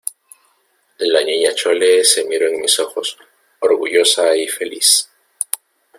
la Niña Chole se miró en mis ojos, orgullosa y feliz: